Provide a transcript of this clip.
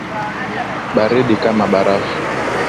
Baridi kama barafu.